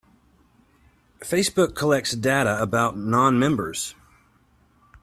Facebook collects data about non-members.